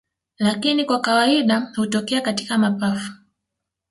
Lakini kwa kawaida hutokea katika mapafu